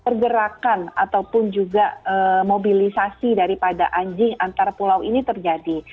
pergerakan ataupun juga mobilisasi daripada anjing antar pulau ini terjadi